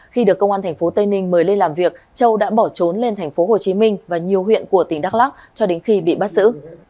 khi được công an tp tây ninh mời lên làm việc châu đã bỏ trốn lên tp hồ chí minh và nhiều huyện của tp đắc lắc cho đến khi bị bắt giữ